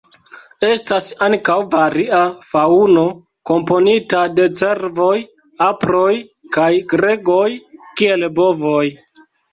Estas ankaŭ varia faŭno komponita de cervoj, aproj, kaj gregoj kiel bovoj.